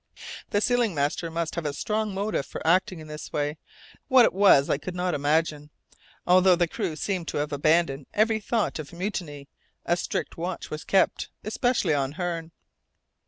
The sealing master must have a strong motive for acting in this way. What it was I could not imagine. Although the crew seemed to have abandoned every thought of mutiny, a strict watch was kept, especially on Hearne.